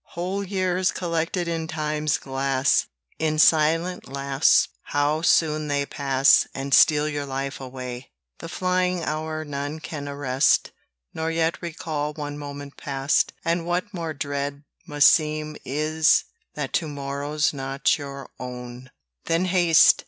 Whole years, collected in Time's glass, In silent lapse how soon they pass, And steal your life away! The flying hour none can arrest, Nor yet recall one moment past, And what more dread must seem Is, that to morrow's not your own Then haste!